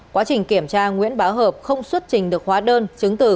quá trình kiểm tra nguyễn bá hợp không xuất trình được hóa đơn chứng từ